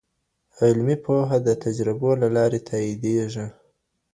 علمي پوهه د تجربو له لارې تائيديږي.